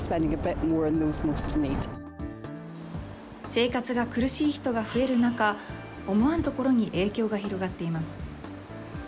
生活が苦しい人が増える中、思わぬ所に影響が広がっています。